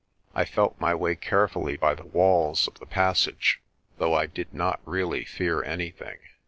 I felt my way carefully by the walls of the passage, though I did not really fear anything.